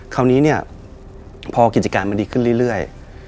คราวนี้เนี่ยพอกิจการมันดีขึ้นเรื่อย